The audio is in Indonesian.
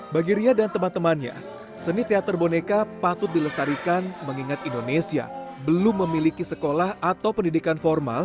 bagi ria dan teman temannya seni teater boneka patut dilestarikan mengingat indonesia belum memiliki sekolah atau pendidikan formal